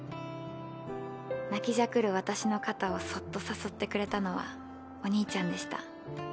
泣きじゃくる私の肩をそっとさすってくれたのはお兄ちゃんでした。